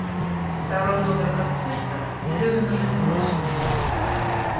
Второй нумер концерта Левин уже не мог слушать.